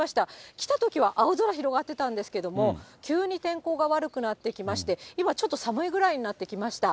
来たときは青空広がってたんですけれども、急に天候が悪くなってきまして、今、ちょっと寒いぐらいになってきました。